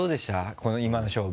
この今の勝負。